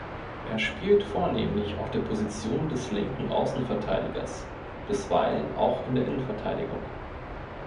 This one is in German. Er spielt vornehmlich auf der Position des linken Außenverteidigers, bisweilen auch in der Innenverteidigung.